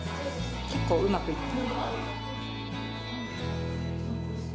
結構うまくいった。